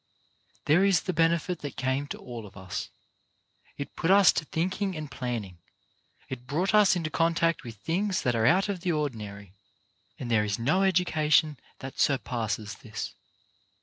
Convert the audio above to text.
There is the benefit that came to all of us. It put us to think ing and planning ; it brought us in to contact with things that are out of the ordinary ; and there is no education that surpasses this.